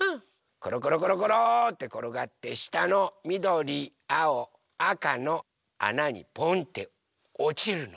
ころころころころってころがってしたのみどりあおあかのあなにポンっておちるの。